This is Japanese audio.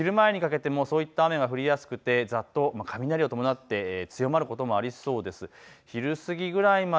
昼前にかけてもそういった雨が降りやすくてざっと雷を伴って強まりそうです。